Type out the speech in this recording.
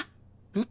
うん。